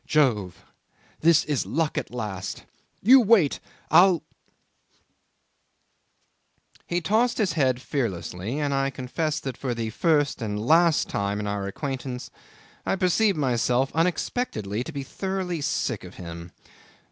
Jove! This is luck at last ... You wait. I'll ..." 'He tossed his head fearlessly, and I confess that for the first and last time in our acquaintance I perceived myself unexpectedly to be thoroughly sick of him.